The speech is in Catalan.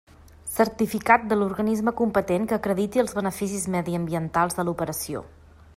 Certificat de l'organisme competent que acrediti els beneficis mediambientals de l'operació.